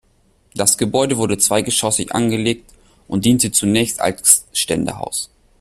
Das Gebäude wurde zweigeschossig angelegt und diente zunächst als Ständehaus.